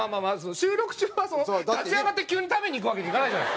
収録中は立ち上がって急に食べに行くわけにいかない。